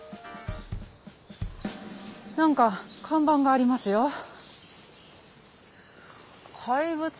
何か看板がありますよ。